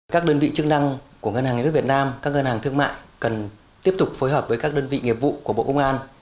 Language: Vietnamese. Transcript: các đơn vị chức năng của ngân hàng nhà nước việt nam các ngân hàng thương mại cần tiếp tục phối hợp với các đơn vị nghiệp vụ của bộ công an